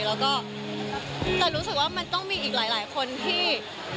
แล้วก็แต่รู้สึกว่ามันต้องมีอีกหลายคนที่